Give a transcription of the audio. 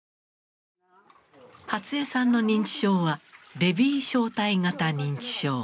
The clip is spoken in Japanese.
初江さんの認知症はレビー小体型認知症。